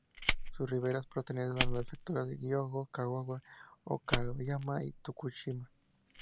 Sus riberas pertenecen a las prefecturas de Hyōgo, Kagawa, Okayama y Tokushima.